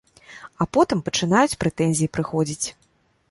А потым пачынаюць прэтэнзіі прыходзіць.